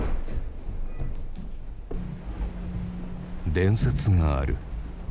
伝説がある。